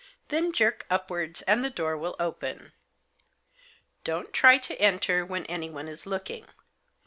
then jerk upwards, and the door will open. Don't try to enter when anyone is looking.